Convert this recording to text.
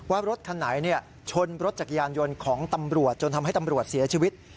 ว่ารถคันไหนชนรถจักรยานยนต์ของตำรวจจนทำให้ตำรวจเสียชีวิต